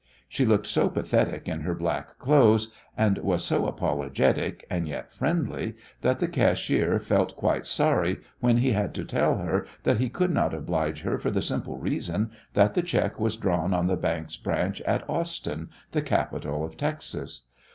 She looked so pathetic in her black clothes, and was so apologetic and yet friendly, that the cashier felt quite sorry when he had to tell her that he could not oblige her for the simple reason that the cheque was drawn on the bank's branch at Austin, the capital of Texas.